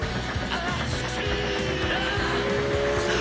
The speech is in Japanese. あっ！